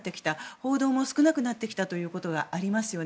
報道も少なくなってきたということがありますよね。